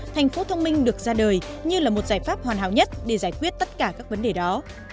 thành phố thông minh được ra đời như là một giải pháp hoàn hảo nhất để giải quyết tất cả các vấn đề đó